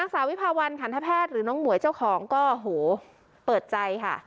สาววิพาหวันคัณฑภาษณ์หรือน้องหมวยเจ้าของก็โอ้โหเปิดใจค่ะ